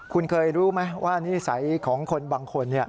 คุณเคยรู้ไหมว่านิสัยของคนบางคน